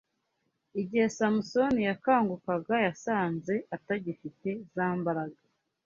Igihe Samusoni yakangukaga yasanze atagifite za mbaraga